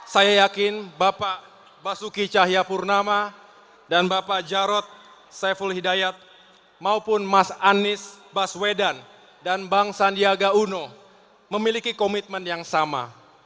saya yakin bapak basuki cahayapurnama dan bapak jarod saiful hidayat maupun mas anies baswedan dan bang sandiaga uno memiliki komitmen yang sama